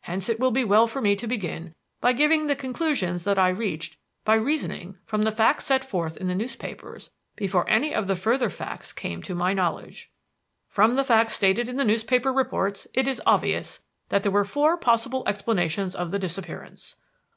Hence it will be well for me to begin by giving the conclusions that I reached by reasoning from the facts set forth in the newspapers before any of the further facts came to my knowledge. "From the facts as stated in the newspaper reports it is obvious that there were four possible explanations of the disappearance.